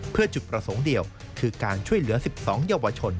เพื่อจุดประสงค์เดียวคือการช่วยเหลือ๑๒เยาวชน